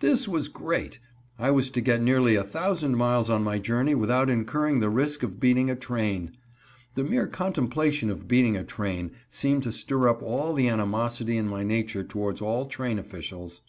This was great! I was to get nearly a thousand miles on my journey without incurring the risk of beating a train. The mere contemplation of beating a train seemed to stir up all the animosity in my nature towards all train officials.